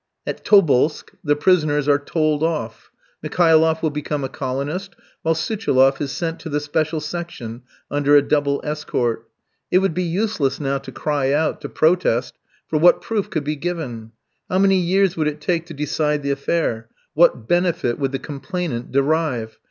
At Tobolsk the prisoners are told off. Mikhailoff will become a colonist, while Suchiloff is sent to the special section under a double escort. It would be useless now to cry out, to protest, for what proof could be given? How many years would it take to decide the affair, what benefit would the complainant derive?